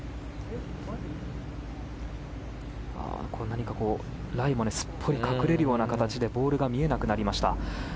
何かライもすっぽり隠れるような形でボールが見えなくなりました。